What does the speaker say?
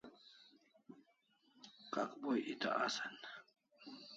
Kakboi eta asan